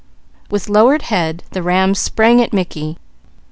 With lowered head, the ram sprang at Mickey.